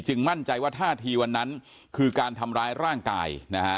มั่นใจว่าท่าทีวันนั้นคือการทำร้ายร่างกายนะฮะ